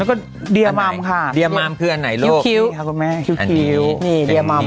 แล้วก็เดียมามค่ะเจียมคืออันไหนลอกคิ๋วคิ๋วเขาก็ไม่